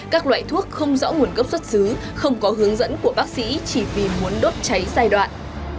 các loại thuốc không rõ nguồn gốc xuất xứ không có hướng dẫn của bác sĩ chỉ vì muốn đốt cháy giai đoạn